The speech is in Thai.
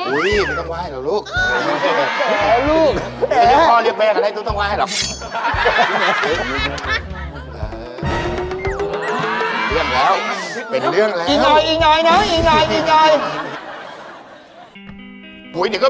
ดับไฟไหนยังหามันเจอเลยเนี่ย